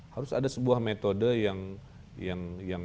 harus ada sebuah metode yang